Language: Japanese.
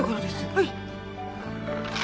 はい。